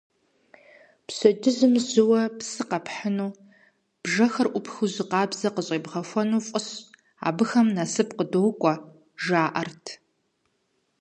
Пщэдджыжьым жьыуэ псы къэпхьыну, бжэхэр Ӏупхыу жьы къабзэ къыщӀебгъэхуэну фӀыщ: абыхэм насып къадокӀуэ, жаӀэрт.